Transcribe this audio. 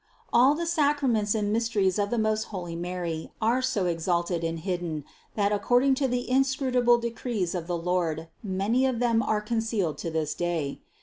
All the sacraments and mysteries of the most holy Mary are so exalted and hidden that according to the inscrutable decrees of the Lord many of them are concealed to this day.